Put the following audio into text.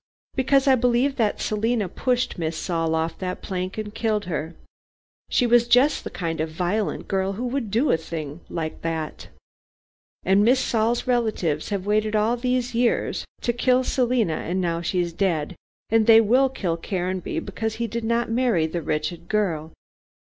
because I believe that Selina pushed Miss Saul off that plank and killed her. She was just the kind of violent girl who would do a thing like that. And Miss Saul's relatives have waited all these years to kill Selina, and now she's dead, they will kill Caranby because he did not marry the wretched girl."